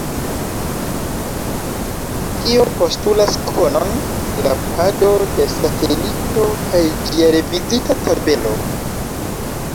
Tio postulas konon de la pado de satelito kaj ĝia revizita tabelo.